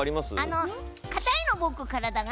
かたいの、僕、体が。